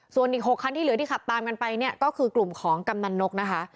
ส่วนอีก๖คันที่เหลือที่ขับตามกันไปเนี่ยก็คือกลุ่มของกำนันนกนะคะ